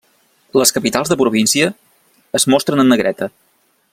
Les capitals de província es mostren en negreta.